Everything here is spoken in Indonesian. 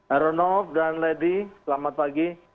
heronov dan lady selamat pagi